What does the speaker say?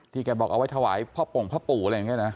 แกบอกเอาไว้ถวายพ่อโป่งพ่อปู่อะไรอย่างนี้นะ